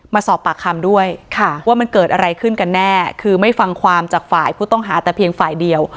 มาสอบปากคำด้วยว่ามันเกิดอะไรขึ้นกันแน่คือไม่ฟังความจากฝ่ายผู้ต้องหาแต่เพียงฝ่ายเดียว